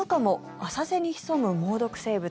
浅瀬に潜む猛毒